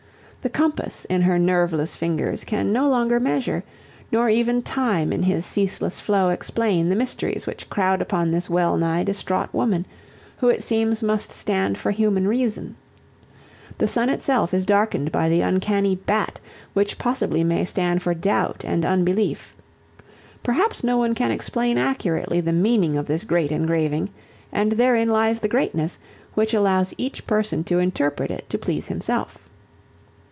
The compass in her nerveless fingers can no longer measure, nor even time in his ceaseless flow explain, the mysteries which crowd upon this well nigh distraught woman, who it seems must stand for human reason. The sun itself is darkened by the uncanny bat which possibly may stand for doubt and unbelief. Perhaps no one can explain accurately the meaning of this great engraving and therein lies the greatness, which allows each person to interpret it to please himself.